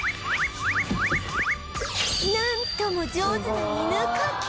なんとも上手な犬かき